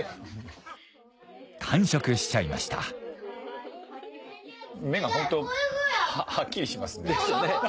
完食しちゃいました目がホントはっきりしますね。